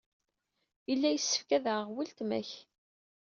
Yella yessefk ad aɣeɣ weltma-k.